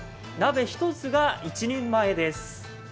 鍋１つが１人前です。